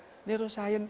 sudah memberitahukan kita